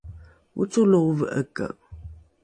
ocolo ove’eke